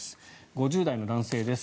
５０代の男性です。